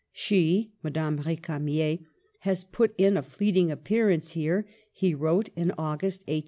" She (Madame R6camier) has put in a fleeting appearance here, ,, he wrote in August, 181 1.